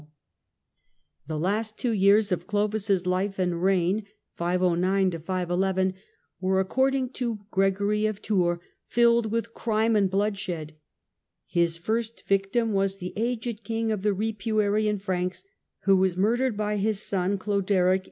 Last years The last two years of Clovis' life and reign were, ac 509 n cording to Gregory of Tours, filled with crime and bloodshed. His first victim was the aged King of the Ripuarian Franks, who was murdered by his son Cloderic